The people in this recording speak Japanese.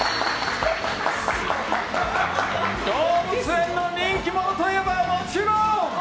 動物園の人気者といえばもちろん！